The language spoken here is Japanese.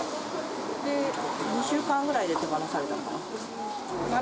２週間ぐらいで手放されたのかな。